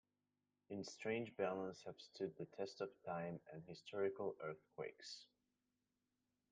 In strange balance have stood the test of time and historical earthquakes.